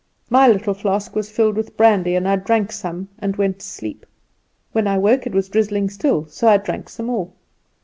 My little flask was filled with brandy, and I drank some and went to sleep. When I woke it was drizzling still, so I drank some more.